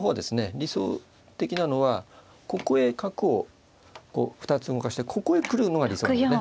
理想的なのはここへ角をこう２つ動かしてここへ来るのが理想なんですね。